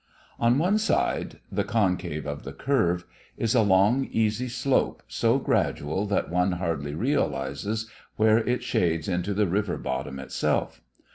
On one side the concave of the curve is a long easy slope, so gradual that one hardly realises where it shades into the river bottom itself.